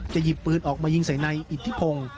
หยิบปืนออกมายิงใส่นายอิทธิพงศ์